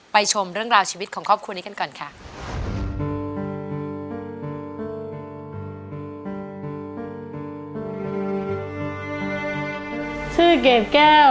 ไปชมเรื่องราวชีวิตของครอบครัว